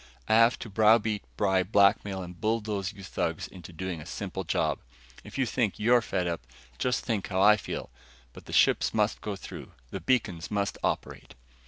I have to browbeat, bribe, blackmail and bulldoze you thugs into doing a simple job. If you think you're fed up, just think how I feel. But the ships must go through! The beacons must operate!"